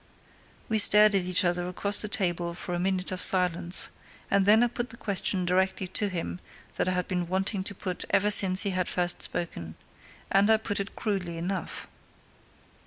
We stared at each other across the table for a minute of silence, and then I put the question directly to him that I had been wanting to put ever since he had first spoken. And I put it crudely enough.